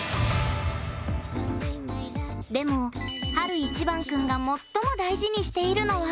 でも、晴いちばん君が最も大事にしているのは。